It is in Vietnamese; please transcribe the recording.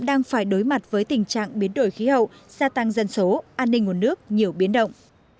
đang phải đối mặt với tình trạng biến đổi khí hậu gia tăng dân số an ninh nguồn nước nhiều biến động